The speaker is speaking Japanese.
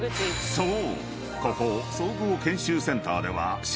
［そう！］